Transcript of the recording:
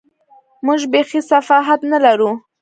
موږ بېخي صحافت نه لرو.